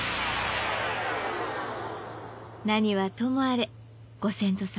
何はともあれご先祖様